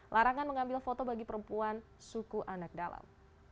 larangan mengambil foto bagi perempuan suku anak dalam